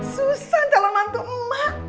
susan dalam nantu emak